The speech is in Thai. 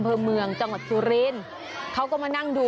เป็นแบบฝรั่งนะ